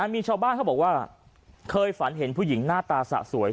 มีชาวบ้านเขาบอกว่าเคยฝันเห็นผู้หญิงหน้าตาสะสวย